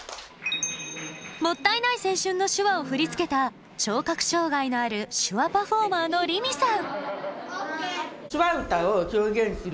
「もったいない青春」の手話を振り付けた聴覚障がいのある手話パフォーマーのＲＩＭＩさん。